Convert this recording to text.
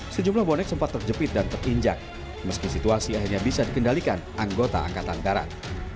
sejumlah bonek sempat terjepit dan terinjak meski situasi akhirnya bisa dikendalikan anggota angkatan darat